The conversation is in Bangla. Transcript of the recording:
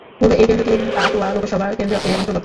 পূর্বে এই কেন্দ্রটি কাটোয়া লোকসভা কেন্দ্র এর অন্তর্গত।